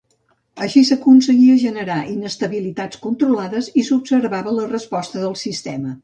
Així s'aconseguia generar inestabilitats controlades i s'observava la resposta del sistema.